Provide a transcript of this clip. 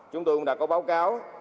chúng tôi cũng đã có báo cáo